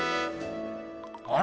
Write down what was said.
あれ？